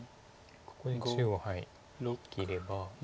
ここで中央生きれば。